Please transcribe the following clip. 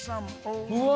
うわ！